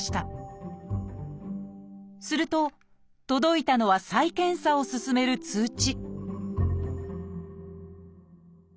すると届いたのは再検査を勧める通知